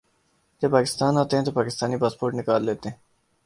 جب پاکستان آتے ہیں تو پاکستانی پاسپورٹ نکال لیتے ہیں